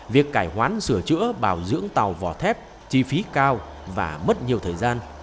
việc cải hoán sửa chữa bảo dưỡng tàu vỏ thép chi phí cao và mất nhiều thời gian